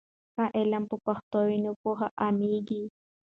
که علم په پښتو وي نو پوهه عامېږي.